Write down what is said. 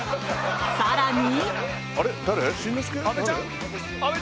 更に。